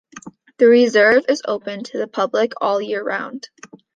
The reserve is open to the public all year round.